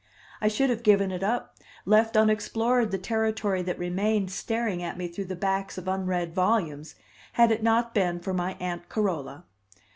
I should have given it up, left unexplored the territory that remained staring at me through the backs of unread volumes, had it not been for my Aunt Carola.